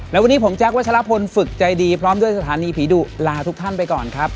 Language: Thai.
และวันนี้ผมแจ๊ควัชลพลฝึกใจดีพร้อมด้วยสถานีผีดุลาทุกท่านไปก่อนครับ